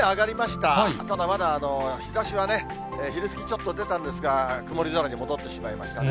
ただまだ、日ざしはね、昼過ぎちょっと出たんですが、曇り空に戻ってしまいましたね。